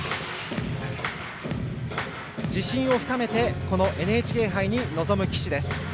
自信を深めてこのＮＨＫ杯に臨む岸です。